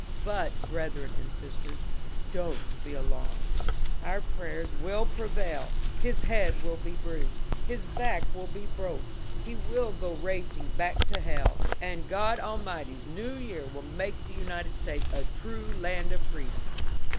But, brethren and sisters, don't be alarmed. Our prayers will prevail. His head will be bruised. His back will be broke. He will go raging back to hell, and God Almighty's New Year will make the United States a true land of freedom."